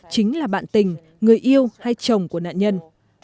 chính là bạn tình người yêu hay chồng của nạn nhân